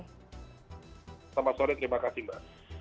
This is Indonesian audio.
selamat sore terima kasih mbak